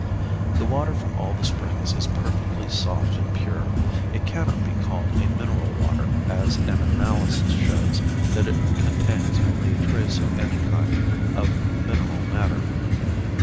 The water from all the springs is perfectly soft and pure. It cannot be called a mineral water, as an analysis shows that it contains only a trace of any kind of mineral matter.